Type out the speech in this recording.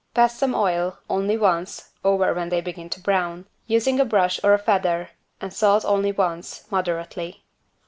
Pass some oil only once over when they begin to brown, using a brush or a feather, and salt only once, moderately.